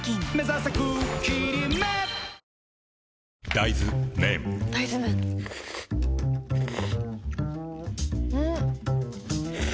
大豆麺ん？